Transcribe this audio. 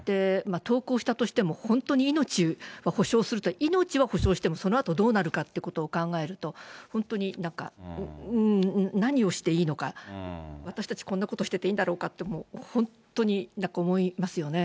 投降したとしても、本当に命は保証する、命は保証してもそのあとどうなるかということを考えると、本当になんか、何をしていいのか、私たち、こんなことしてていいんだろうかと、本当になんか思いますよね。